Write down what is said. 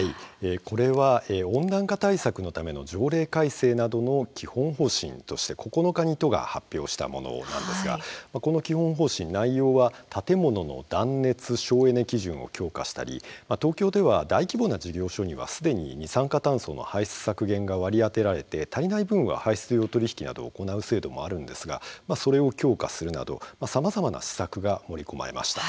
これは温暖化対策のための条例改正などの基本方針として９日に都が発表したものなんですがこの基本方針、内容は建物の断熱、省エネ基準を強化したり東京では大規模事業所にはすでに二酸化炭素の排出削減が割り当てられて足りない分は排出量取引などを行う制度もあるんですがそれを強化するなどさまざまな施策が盛り込まれました。